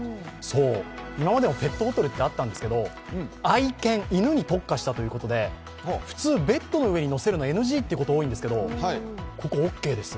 今までもペットホテルってあったんですけど愛犬、犬に特化したということで、普通、ベッドの上にのせるのはＮＧということが多いんですけど、ここはオーケーです。